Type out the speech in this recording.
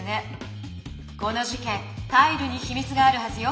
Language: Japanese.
この事けんタイルにひみつがあるはずよ。